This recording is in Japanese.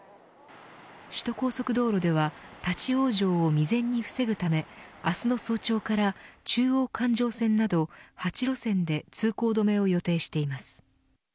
首都高速道路では立ち往生を未然に防ぐため明日の早朝から中央環状線など８路線で通行止めを予定しています。